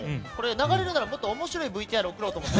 流れるならもっと面白いＶＴＲを作ろうと思って。